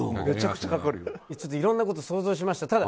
いろんなこと想像しました。